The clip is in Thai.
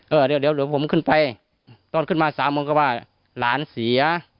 เออเดี๋ยวเดี๋ยวผมขึ้นไปตอนขึ้นมาสามโมงก็ว่าหลานเสีย